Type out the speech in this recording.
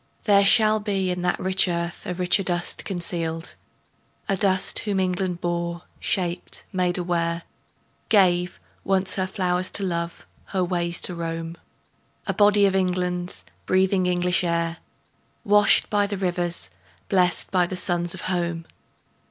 There shall be In that rich earth a richer dust concealed; A dust whom England bore, shaped, made aware, Gave, once, her flowers to love, her ways to roam, A body of England's, breathing English air, Washed by the rivers, blest by suns of home.